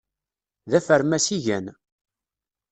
D afermas i gan.